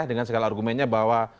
dengan segala argumennya bahwa